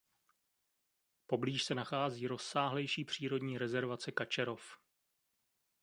Poblíž se nachází rozsáhlejší přírodní rezervace Kačerov.